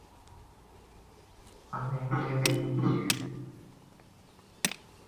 আমি Meilin Li.